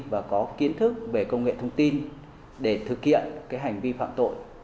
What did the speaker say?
và có kiến thức về công nghệ thông tin để thực hiện cái hành vi phạm tội